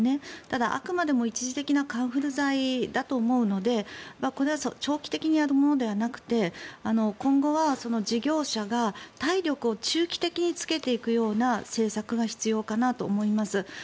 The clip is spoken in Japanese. ただ、あくまでも一時的なカンフル剤だと思うのでこれは長期的にやるものではなくて今後は事業者が体力を中期的につけていくような政策が必要かなと思います。